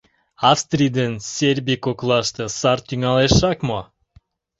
Австрий ден Сербий коклаште сар тӱҥалешак мо?